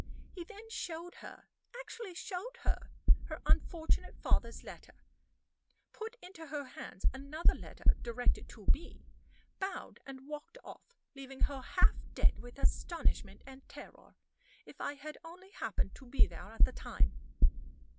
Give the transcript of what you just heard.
He then showed her actually showed her her unfortunate father's letter; put into her hands another letter directed to me; bowed, and walked off; leaving her half dead with astonishment and terror. If I had only happened to be there at the time!"